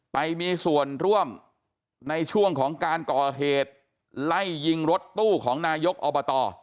ไปมีส่วนร่วมในช่วงของการก่อเหตุไล่ยิงรถตู้ของนายกอบต